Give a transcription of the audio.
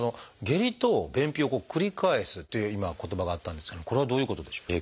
下痢と便秘を繰り返すっていう今言葉があったんですけどもこれはどういうことでしょう？